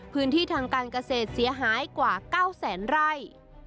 พื้นที่ทางการเกษตรเสียหายกว่า๙แสนไร่